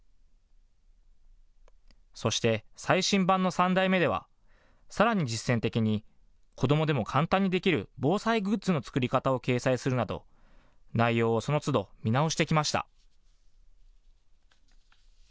そして最新版の３代目ではさらに実践的に子どもでも簡単にできる防災グッズの作り方を掲載するなど内容をそのつど見直してきました。